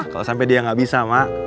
kalau sampai dia nggak bisa mak